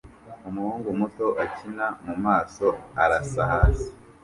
Umuhungu muto akina mumasoko arasa hasi